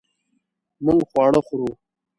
مونږ خواړه خورو